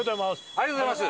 ありがとうございます。